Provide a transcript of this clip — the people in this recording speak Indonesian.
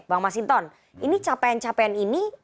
bang mas hinton ini capaian capaian ini